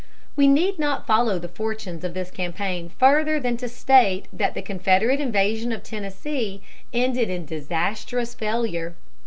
We need not follow the fortunes of this campaign further than to state that the Confederate invasion of Tennessee ended in disastrous failure.